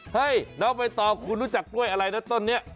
เฮ้ยน้องไปต่อคุณรู้จักกล้วยอะไรนะต้นนี้